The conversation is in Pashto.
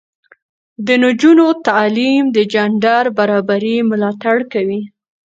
د نجونو تعلیم د جنډر برابري ملاتړ کوي.